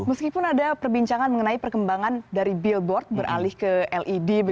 meskipun ada perbincangan mengenai perkembangan dari billboard beralih ke led